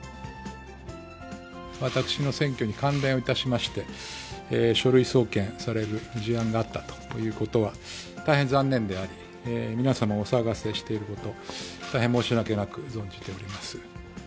私の選挙に関連をいたしまして、書類送検される事案があったということは、大変残念であり、皆様お騒がせしていること、大変申し訳なく存じております。